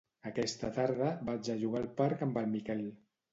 Aquesta tarda vaig a jugar al parc amb el Miquel.